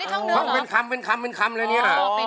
อ้อนี่ท่องเนื้อเหรอโหมันต้องเป็นคำเป็นคำอย่างนี้ล่ะ